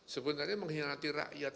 sebenarnya mengkhianati rakyat